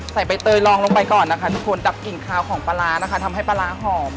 ใบเตยลองลงไปก่อนนะคะทุกคนดับกลิ่นคาวของปลาร้านะคะทำให้ปลาร้าหอม